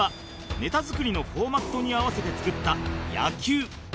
ネタ作りのフォーマットに合わせて作った「野球」